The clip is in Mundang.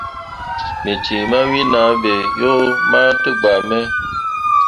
Me cin mawen ah ɓe yo mah tǝgaa me.